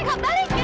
nih kak balikin